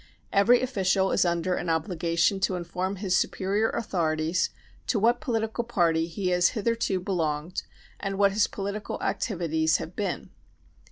Every official is under an obligation to inform his superior authorities to what political party he has hitherto belonged and what his political activities have been.